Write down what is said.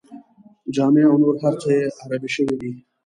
جامې او نور هر څه یې عربي شوي دي.